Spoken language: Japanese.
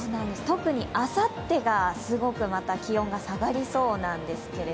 特にあさってがすごくまた気温が下がりそうなんです。